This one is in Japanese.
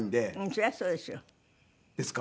そりゃそうですよ。ですか？